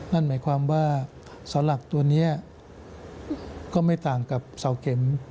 นั่นหมายความว่าเสาหลักตัวนี้ก็ไม่ต่างกับเสาเข็ม